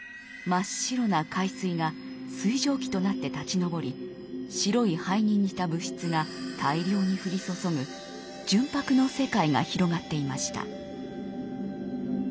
真っ白な海水が水蒸気となって立ちのぼり白い灰に似た物質が大量に降り注ぐ純白の世界が広がっていました。